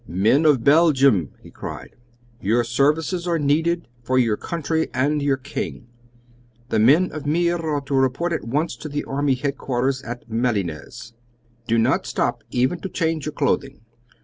"Men of Belgium," he cried, "your services are needed for your country and your King! The men of Meer are to report at once to the army headquarters at Malines. Do not stop even to change your clothing!